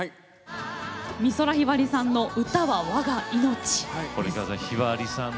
美空ひばりさんの「歌は我が命」。